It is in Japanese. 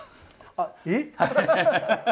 あっえっ